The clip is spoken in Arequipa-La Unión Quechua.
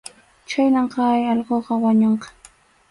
Chhaynam kay allquqa wañunqa.